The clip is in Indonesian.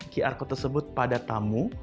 qr code tersebut pada tamu